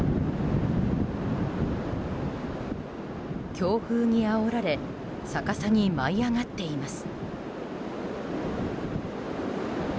強風にあおられ逆さに舞い上がっています。